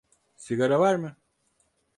Sigara var mı?